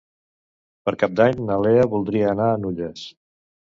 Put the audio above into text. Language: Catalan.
Per Cap d'Any na Lea voldria anar a Nulles.